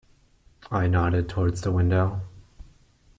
I nodded towards the window.